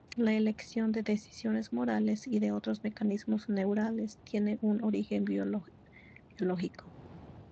La elección de decisiones morales, y de otros mecanismos neurales, tienen un origen biológico.